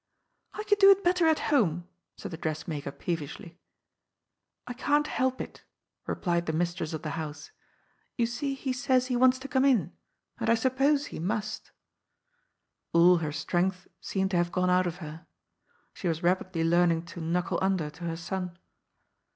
'^I could do it better at home," said the dressmaker peevishly. ^' I can't help it," replied the mistress of the house. • Ton see he says he wants to come in. And I suppose he must" All her strength seemed to hare gone out of her. She was rapidly learning to ^^ knuckle under " to her son.